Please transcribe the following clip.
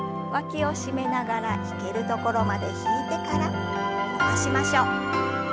わきを締めながら引けるところまで引いてから伸ばしましょう。